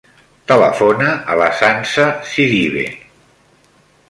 Telefona a la Sança Sidibe.